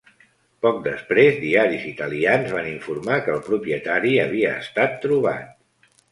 Poc després, diaris italians van informar que el propietari havia estat trobat.